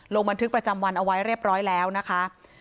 ลงบันทึกประจำวันเอาไว้เรียบร้อยแล้วนะคะ